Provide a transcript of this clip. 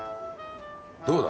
どうだ？